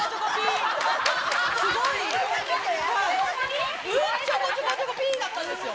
すごい、うんちょこちょこぴーだったんですよ。